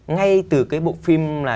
ngay từ cái bộ phim là